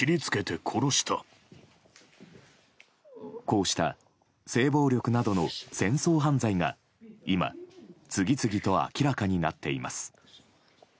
こうした性暴力などの戦争犯罪が今、次々と明らかになっています。